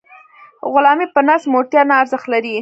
غلامي په نس موړتیا نه ارزښت نلري.